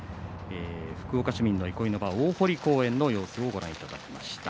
福岡市民の憩いの場大濠公園の様子をご覧いただきました。